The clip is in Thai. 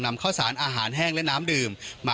นำข้าวสารอาหารแห้งและน้ำดื่ม